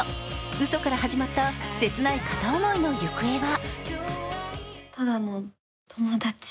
うそから始まった切ない片思いの行方は？